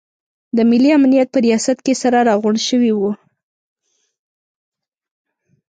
د ملي امنیت په ریاست کې سره راغونډ شوي وو.